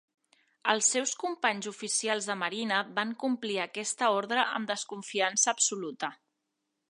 Els seus companys oficials de marina van complir aquesta ordre amb desconfiança absoluta.